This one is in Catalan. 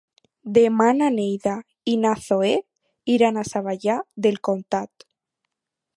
Demà na Neida i na Zoè iran a Savallà del Comtat.